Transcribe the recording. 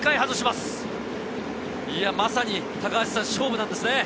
まさに勝負なんですね。